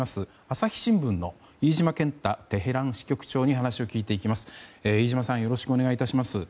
朝日新聞の飯島健太テヘラン支局長に話を聞いていきます。